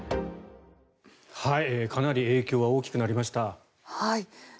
かなり影響は大きくなりました。